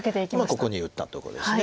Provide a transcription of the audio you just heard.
ここに打ったとこです。